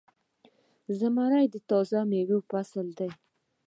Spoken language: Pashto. زمری د تازه میوو فصل دی.